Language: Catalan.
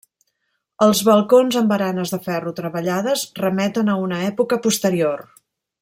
Els balcons amb baranes de ferro treballades remeten a una època posterior.